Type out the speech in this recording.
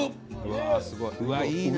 うわっいいな。